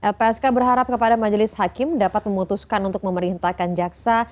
lpsk berharap kepada majelis hakim dapat memutuskan untuk memerintahkan jaksa